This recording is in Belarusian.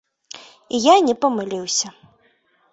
І я не памыліўся.